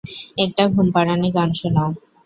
একটা ঘুমপাড়ানি গান শোনাও।